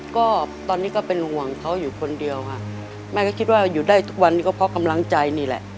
ก็ตอนนี้ก็เป็นห่วงเขาอยู่คนเดียวค่ะแม่ก็คิดว่าอยู่ได้ทุกวันนี้ก็เพราะกำลังใจนี่แหละ